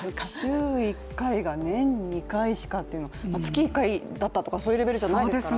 週１回が年２回しかって月１回だったとかそういうレベルじゃないですからね。